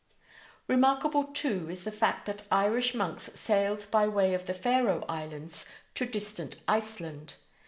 Remarkable, too, is the fact that Irish monks sailed by way of the Faroe Islands to distant Iceland.